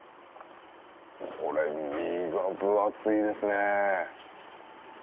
これ身が分厚いですね。